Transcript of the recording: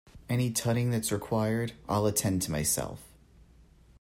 Any tutting that's required, I'll attend to myself.